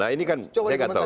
nah ini kan saya gak tahu